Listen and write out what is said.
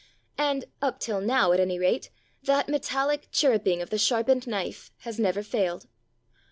And up till now, at any rate, that metallic chirruping of the sharpened knife has never failed.